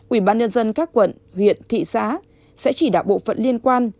ubnd các quận huyện thị xã sẽ chỉ đạo bộ phận liên quan